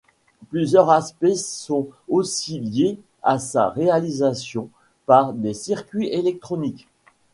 Plusieurs aspects sont aussi liés à sa réalisation par des circuits électroniques.